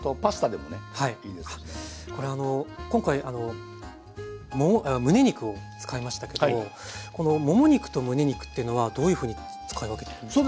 これ今回むね肉を使いましたけどもこのもも肉とむね肉っていうのはどういうふうに使い分けてるんですか？